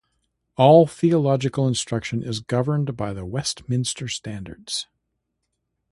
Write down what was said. All theological instruction is governed by the Westminster Standards.